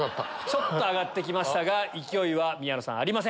ちょっと挙がってきましたが勢いは宮野さんありません。